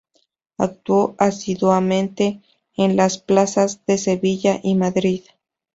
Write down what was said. Actuó asiduamente en las plazas de Sevilla y Madrid.